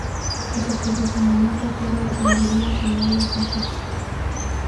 A partir de ese momento todo lo aprendería sin aulas ni títulos.